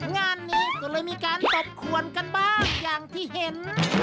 งานนี้ก็เลยมีการตบขวนกันบ้างอย่างที่เห็น